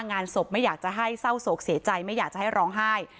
งานศพไม่อยากจะให้เศร้าโศกเสียใจไม่อยากจะให้ร้องไห้